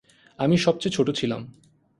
আমি সবচেয়ে ছোট ছিলাম।